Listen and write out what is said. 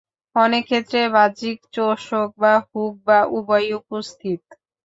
অনেক ক্ষেত্রে বাহ্যিক চোষক বা হুক বা উভয়ই উপস্থিত।